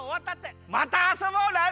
またあそぼうね！